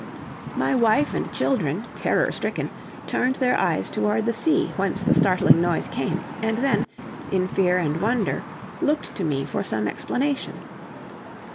My wife and children, terror stricken, turned their eyes toward the sea, whence the startling noise came, and then, in fear and wonder, looked to me for some explanation.